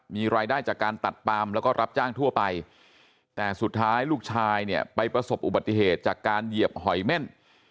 มีรายได้จากการตัดปามแล้วก็รับจ้างทั่วไปแต่สุดท้ายลูกชายเนี่ยไปประสบอุบัติเหตุจากการเหยียบหอยเม่น